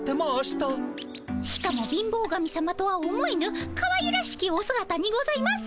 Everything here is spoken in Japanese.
しかも貧乏神さまとは思えぬかわゆらしきおすがたにございます。